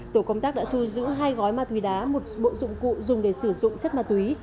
tổ công tác đã thu giữ hai gói ma túy đá một bộ dụng cụ dùng để sử dụng chất ma túy